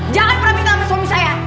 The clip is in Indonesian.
jangan pernah minta sama suami saya